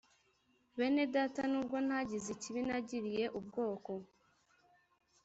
bene data nubwo ntagize ikibi nagiriye ubwoko